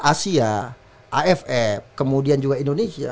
asia aff kemudian juga indonesia